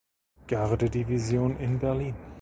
Gardedivision in Berlin.